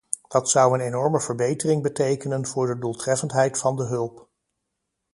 Dat zou een enorme verbetering betekenen voor de doeltreffendheid van de hulp.